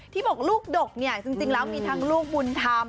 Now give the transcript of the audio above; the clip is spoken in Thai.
ที่บอกลูกดกเนี่ยจริงแล้วมีทั้งลูกบุญธรรม